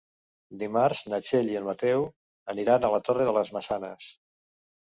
Dimarts na Txell i en Mateu aniran a la Torre de les Maçanes.